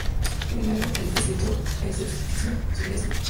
Sin embargo, existe cierto escepticismo sobre esto.